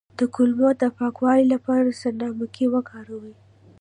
د کولمو د پاکوالي لپاره سنا مکی وکاروئ